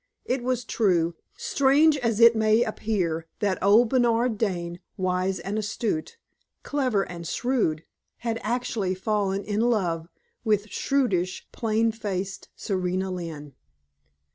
It was true, strange as it may appear, that old Bernard Dane, wise and astute, clever and shrewd, had actually fallen in love with shrewish, plain faced Serena Lynne.